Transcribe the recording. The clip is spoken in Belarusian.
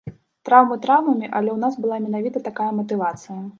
Траўмы траўмамі, але ў нас была менавіта такая матывацыя.